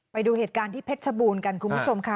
ไปดูเหตุการณ์ที่เพชรชบูรณ์กันคุณผู้ชมค่ะ